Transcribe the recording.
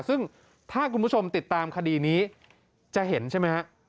ซึ่งถ้าคุณผู้ชมติดตามคดีนี้จะเห็นใช่ไหมฮะ